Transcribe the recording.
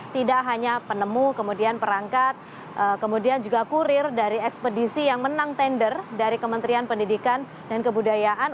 tidak hanya penemu kemudian perangkat kemudian juga kurir dari ekspedisi yang menang tender dari kementerian pendidikan dan kebudayaan